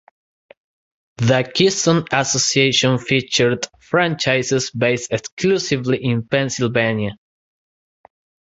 The Keystone Association featured franchises based exclusively in Pennsylvania.